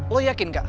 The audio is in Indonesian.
lo yakin kak